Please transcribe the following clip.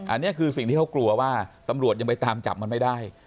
อันนี้คือสิ่งที่เขากลัวว่าตำรวจยังไปตามจับมันไม่ได้